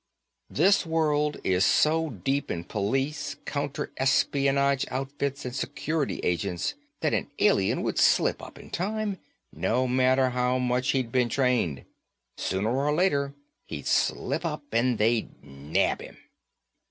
This world is so deep in police, counter espionage outfits and security agents that an alien would slip up in time, no matter how much he'd been trained. Sooner or later, he'd slip up, and they'd nab him."